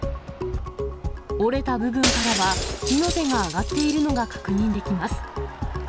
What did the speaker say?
折れた部分からは火の手が上がっているのが確認できます。